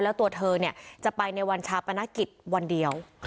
แล้วตัวเธอจะไปในวันชาปนกิจวันเดียว